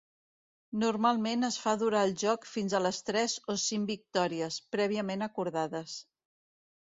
Normalment es fa durar el joc fins a les tres o cinc victòries, prèviament acordades.